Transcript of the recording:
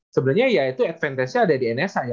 sebenarnya ya itu advantage nya ada di nsa ya